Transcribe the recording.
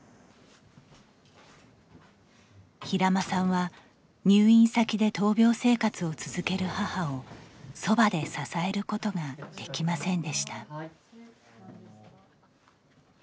平間さんは入院先で闘病生活を続ける母をそばで支えることができませんでした。